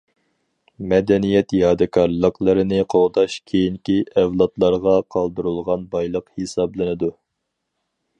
مەدەنىيەت يادىكارلىقلىرىنى قوغداش كېيىنكى ئەۋلادلارغا قالدۇرۇلغان بايلىق ھېسابلىنىدۇ.